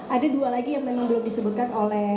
ada dua lagi yang belum disebutkan